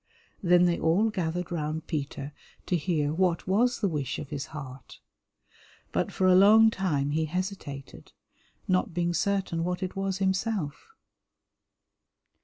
Then they all gathered round Peter to hear what was the wish of his heart, but for a long time he hesitated, not being certain what it was himself.